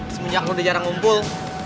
semenjak udah jarang ngumpul